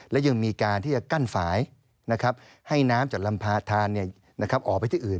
และยังมีการที่จะกั้นฝ่ายให้น้ำจากลำพาทานออกไปที่อื่น